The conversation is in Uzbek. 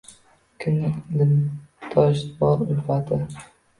Kimning dildosh bor ulfati